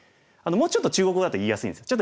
もうちょっと中国語だと言いやすいんですよ。